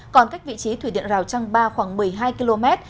còn cách vị trí thủy điện rào trang bà khoảng một mươi hai km